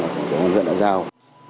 của công an dân đã giao